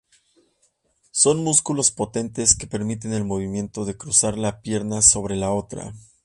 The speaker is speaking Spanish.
Son músculos potentes que permiten el movimiento de cruzar la pierna sobre la otra.